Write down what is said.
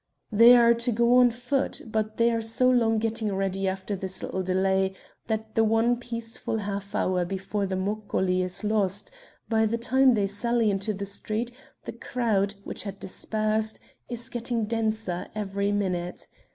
They are to go on foot, but they are so long getting ready after this little delay that the one peaceful half hour before the moccoli is lost; by the time they sally into the street the crowd, which had dispersed, is getting denser every minute.